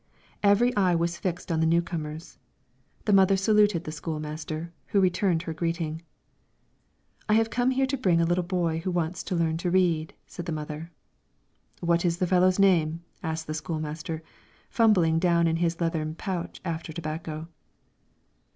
Every eye was fixed on the new comers; the mother saluted the school master, who returned her greeting. "I have come here to bring a little boy who wants to learn to read," said the mother. "What is the fellow's name?" inquired the school master, fumbling down in his leathern pouch after tobacco.